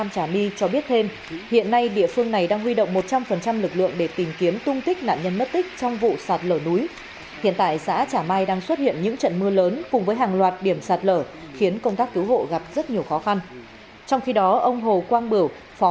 các bạn hãy đăng ký kênh để ủng hộ kênh của chúng mình nhé